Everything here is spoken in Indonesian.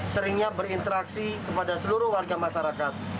seringnya berinteraksi kepada seluruh warga masyarakat